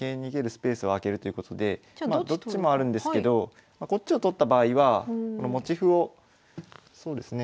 スペースを開けるということでどっちもあるんですけどこっちを取った場合はこの持ち歩をそうですね